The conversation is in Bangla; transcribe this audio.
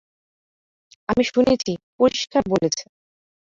আমি শুনেছি, পরিষ্কার বলেছে।